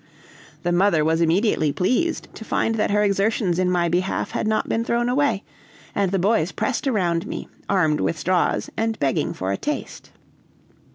The mother was immediately pleased to find that her exertions in my behalf had not been thrown away, and the boys pressed around me, armed with straws and begging for a taste.